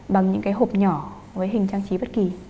bằng những cái hộp nhỏ với hình trang trí bất kỳ